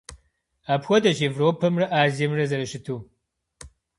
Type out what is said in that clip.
Апхуэдэщ Европэмрэ Азиемрэ зэрыщыту.